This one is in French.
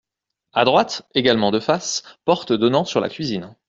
A droite, également de face, porte donnant sur la cuisine.